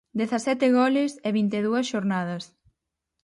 Dezasete goles en vinte e dúas xornadas.